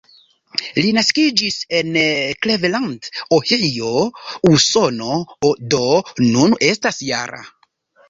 Li naskiĝis en Cleveland, Ohio, Usono, do nun estas -jara.